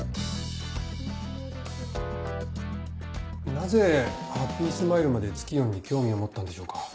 なぜハッピースマイルまでツキヨンに興味を持ったんでしょうか。